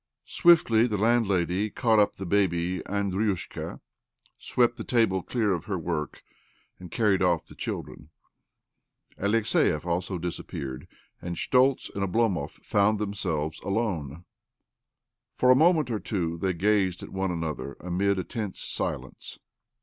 Swiftly the landlady caught up the bab Andriusha, swept the table clear of her worli and carried off the children. Alexiev als disappeared, and Schtoltz and Oblomo found themselves alone. For a moment о two they gazed at one another amid a tens silence.